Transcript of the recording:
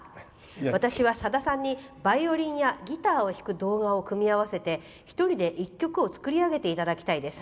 私はさださんにバイオリンやギターを弾く動画を組み合わせて、１人で１曲作り上げていただきたいです。